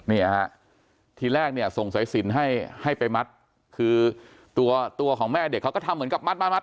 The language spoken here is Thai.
เนี่ยฮะทีแรกเนี่ยส่งสายสินให้ให้ไปมัดคือตัวตัวของแม่เด็กเขาก็ทำเหมือนกับมัด